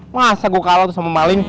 masa gue kalah tuh sama maling